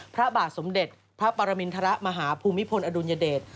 พระบาทสมเด็จพระประมินทะละมหาภูมิไพรอดุญเดต